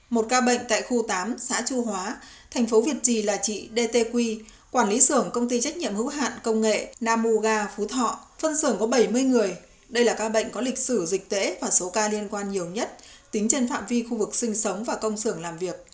một ca bệnh tại khu tám xã chu hóa thành phố việt trì là chị đê tê quy quản lý sưởng công ty trách nhiệm hữu hạn công nghệ nam u ga phú thọ phân sưởng có bảy mươi người đây là ca bệnh có lịch sử dịch tễ và số ca liên quan nhiều nhất tính trên phạm vi khu vực sinh sống và công sưởng làm việc